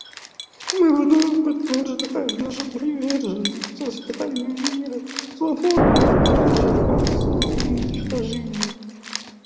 Мы вновь подтверждаем нашу приверженность созданию мира, свободного от оружия массового уничтожения.